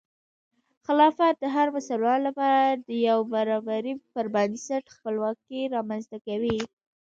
خلافت د هر مسلمان لپاره د یو برابري پر بنسټ خپلواکي رامنځته کوي.